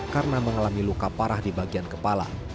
karena mengalami luka parah di bagian kepala